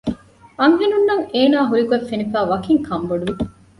އަންހެނުންނަށް އޭނާ ހުރިގޮތް ފެނިފައި ވަކިން ކަންބޮޑުވި